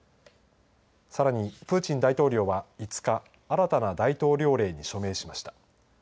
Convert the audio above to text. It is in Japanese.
さらにプーチン大統領は５日新たな大統領令に署名しました。